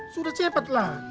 sudah cepet lah